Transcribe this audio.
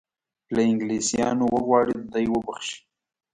له انګلیسیانو وغواړي دی وبخښي.